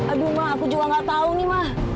aduh ma aku juga gak tau nih ma